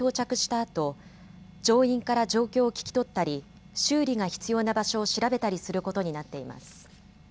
あと乗員から状況を聞き取ったり修理が必要な場所を調べたりすることになっています。